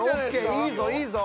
いいぞいいぞ。